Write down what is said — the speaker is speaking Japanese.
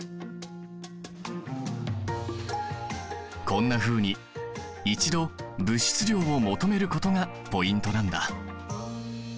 こんなふうに一度物質量を求めることがポイントなんだ！